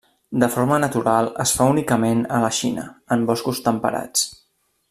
De forma natural es fa únicament a la Xina, en boscos temperats.